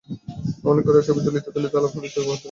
এমনি করিয়া ছবি তুলিতে তুলিতে আলাপ পরিচয় বহুদূর অগ্রসর হইয়া গেল।